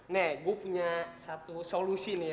nih gue punya satu solusi nih ya